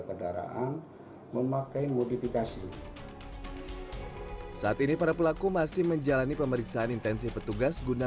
kendaraan memakai modifikasi saat ini para pelaku masih menjalani pemeriksaan intensif petugas guna